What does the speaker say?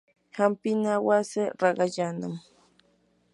hampina wasi raqallanami.